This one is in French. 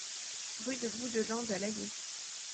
Rue de Bout de Lande à Laillé